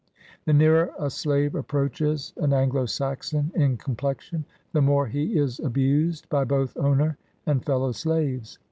The nearer a slave approaches an Anglo Saxon in complexion, the more he is abused by both owner and fellow slaves.